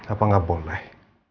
apa gak boleh